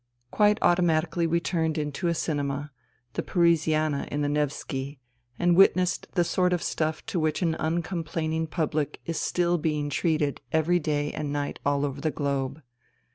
Quite automatically we turned into a cinema, the Parisiana in the Nevski, and witnessed the sort of stuff to which an uncomplaining public is still being treated every day and night all over the globe.